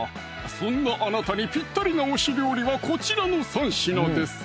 そんなあなたにぴったりな推し料理はこちらの３品です